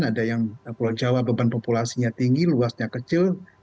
ada yang pulau jawa beban populasinya tinggi luasnya kecil